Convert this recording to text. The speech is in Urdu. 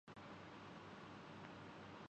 دباو میں آ جاتا ہوں